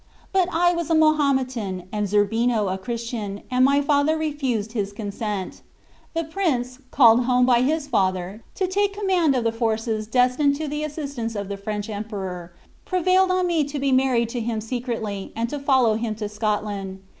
But I was a Mahometan, and Zerbino a Christian, and my father refused his consent. The prince, called home by his father to take command of the forces destined to the assistance of the French Emperor, prevailed on me to be married to him secretly, and to follow him to Scotland.